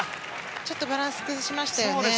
ちょっとバランスを崩しましたよね。